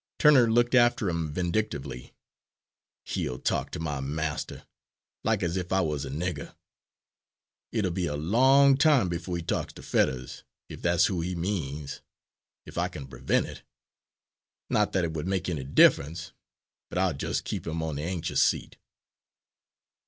Turner looked after him vindictively. "He'll talk to my master, like as if I was a nigger! It'll be a long time before he talks to Fetters, if that's who he means if I can prevent it. Not that it would make any difference, but I'll just keep him on the anxious seat."